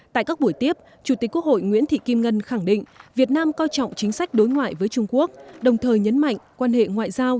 tại các buổi tiếp chủ tịch quốc hội nguyễn thị kim ngân khẳng định việt nam coi trọng chính sách đối ngoại với trung quốc đồng thời nhấn mạnh quan hệ ngoại giao